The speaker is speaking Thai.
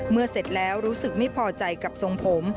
เสร็จแล้วรู้สึกไม่พอใจกับทรงผม